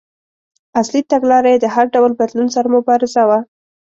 اصلي تګلاره یې د هر ډول بدلون سره مبارزه وه.